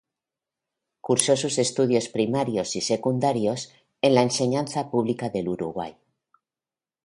Cursó sus estudios primarios y secundarios en la enseñanza pública del Uruguay.